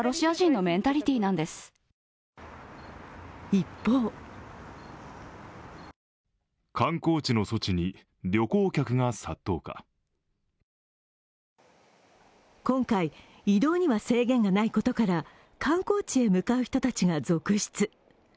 一方今回、移動には制限がないことから観光地へ向かう人たちが続出。